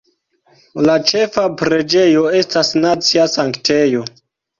La ĉefa preĝejo estas nacia sanktejo.